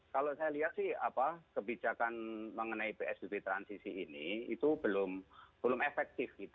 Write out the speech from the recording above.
kalau saya lihat sih kebijakan mengenai psbb transisi ini itu belum efektif